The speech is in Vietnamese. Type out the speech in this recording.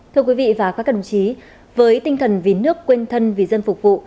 thưa quý vị và các đồng chí với tinh thần vì nước quên thân vì dân phục vụ